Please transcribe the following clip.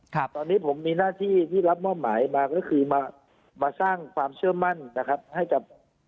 ครับตอนนี้ผมมีหน้าที่ที่รับมอบหมายมาก็คือมามาสร้างความเชื่อมั่นนะครับให้กับ